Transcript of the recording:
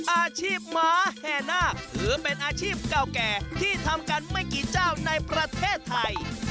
อาชีพหมาแห่นาคถือเป็นอาชีพเก่าแก่ที่ทำกันไม่กี่เจ้าในประเทศไทย